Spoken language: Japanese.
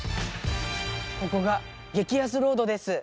ここが激安ロードです。